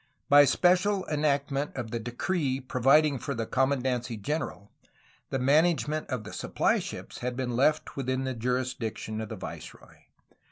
By special enactment of the decree providing for the commandancy general, the management of the supply ships had been left within the jurisdiction of the viceroy.